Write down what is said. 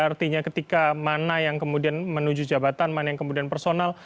artinya ketika mana yang kemudian menuju jabatan mana yang kemudian personal